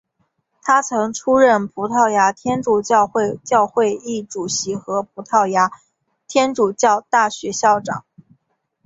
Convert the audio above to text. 他曾出任葡萄牙天主教主教会议主席和葡萄牙天主教大学校长。